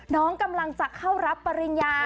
น้องกำลังจะเข้ารับปริญญา